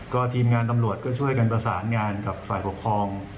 ก็ทีมงานตำรวจก็ช่วยกันประสานงานกับฝ่ายปกครอง